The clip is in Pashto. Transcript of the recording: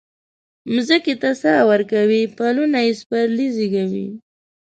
مځکې ته ساه ورکوي پلونه یي سپرلي زیږوي